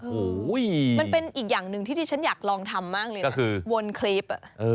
โอ้โหมันเป็นอีกอย่างหนึ่งที่ที่ฉันอยากลองทำมากเลยนะคือวนคลิป